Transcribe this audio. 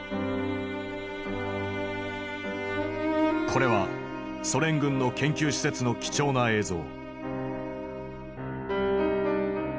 これはソ連軍の研究施設の貴重な映像。